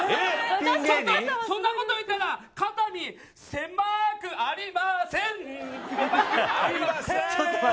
僕そんなこと言ったら肩身狭くありません。